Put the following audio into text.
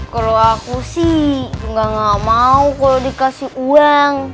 kalau aku sih gak mau kalau dikasih uang